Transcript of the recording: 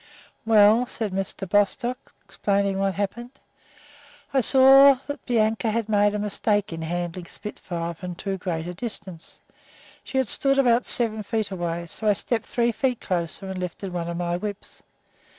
"Well," said Mr. Bostock, explaining what happened, "I saw that Bianca had made a mistake in handling Spitfire from too great a distance. She had stood about seven feet away, so I stepped three feet closer and lifted one of my whips.